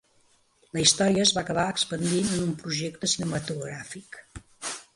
La història es va acabar expandint en un projecte cinematogràfic.